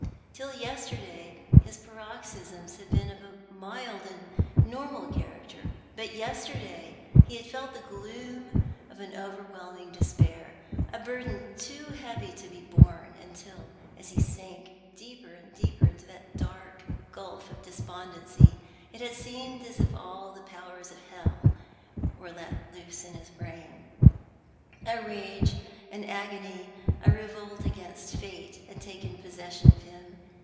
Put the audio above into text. Till yesterday his paroxysms had been of a mild and normal character ; but yesterday he had felt the gloom of an overwhelming despair, a burden too heavy to bo borne, until, as he sank deeper and deeper into that dark gulf of despondency, it had seemed as if all the jiowers of hell were let loose in his brain. A rage, an agony, a revolt against Fate had taken possession of him.